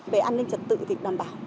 về an ninh trật tự thì đảm bảo